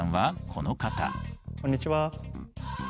こんにちは。